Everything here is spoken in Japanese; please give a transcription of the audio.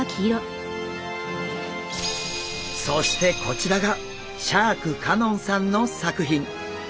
そしてこちらがシャーク香音さんの作品。